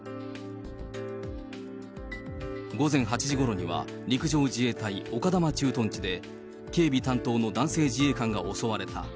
午前８時ごろには、陸上自衛隊丘珠駐屯地で、警備担当の男性自衛官が襲われた。